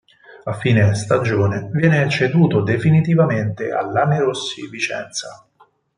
A fine stagione viene ceduto definitivamente al Lanerossi Vicenza.